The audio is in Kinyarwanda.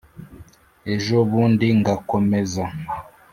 Ejobundi ngakomeza